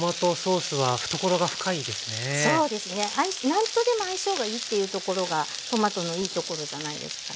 何とでも相性がいいっていうところがトマトのいいところじゃないですかね。